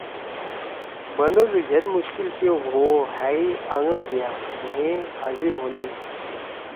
بنَدُو ید مشکل پیخ ہُو او ہأ یے آنگا دیا مھو یے حاضر ہُونینا۔